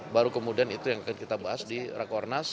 baru kemudian itu yang akan kita bahas di rakornas